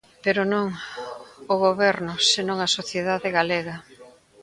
Pero non o Goberno, senón a sociedade galega.